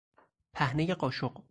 پهنهی قاشق